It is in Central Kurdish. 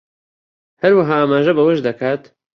هەروەها ئاماژە بەوەش دەکات